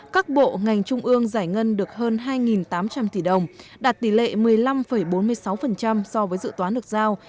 các bộ ngành trung ương giải ngân được hơn hai tám trăm linh tỷ đồng đạt tỷ lệ một mươi năm bốn mươi sáu so với dự toán được giao